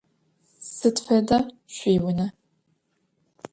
Sıd feda şsuiune?